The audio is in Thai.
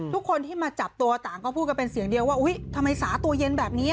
ทุกคนที่มาจับตัวต่างก็พูดกันเป็นเสียงเดียวว่าอุ๊ยทำไมสาตัวเย็นแบบนี้